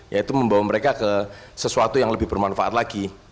yaitu membawa mereka ke sesuatu yang lebih bermanfaat lagi